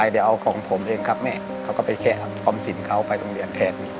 ทำสินเค้าไปโรงเรียนแทน